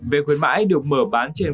vé khuyến mãi được mở bán trên vết thương